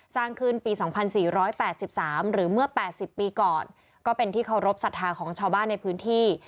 สร้างขึ้นปี๒๔๘๓หรือเมื่อ๘๐ปีก่อนก็เป็นที่เคารพสัทธาของชาวบ้านในพื้นที่